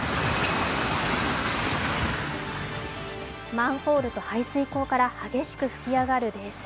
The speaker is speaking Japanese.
マンホールと排水溝から激しく噴き上がる泥水。